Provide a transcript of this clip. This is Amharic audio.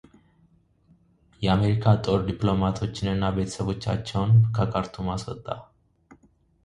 የአሜሪካ ጦር ዲፕሎማቶችን እና ቤተሰቦቻቸውን ከካርቱም አስወጣ